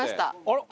あら！